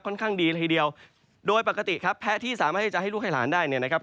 ข้างดีเลยทีเดียวโดยปกติครับแพ้ที่สามารถที่จะให้ลูกให้หลานได้เนี่ยนะครับ